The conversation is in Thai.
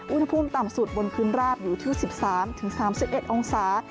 อุณหภูมิต่ำสุดบนพื้นราบอยู่ที่๑๓๓๑องศา